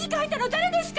誰ですか！？